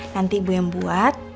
nanti ibu yang buat